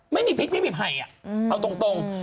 ไม่มีพิษไม่มีไผ่เอาตรง